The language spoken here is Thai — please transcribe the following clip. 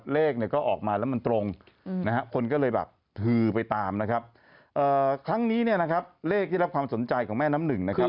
เลขที่รับความสนใจของแม่น้ำหนึ่ง